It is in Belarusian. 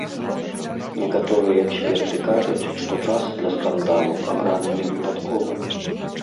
Некаторыя эксперты кажуць, што час для скандалу абраны не выпадкова.